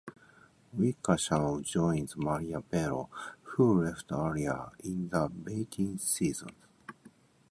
Wickersham joins Maria Bello who left earlier in the eighteenth season.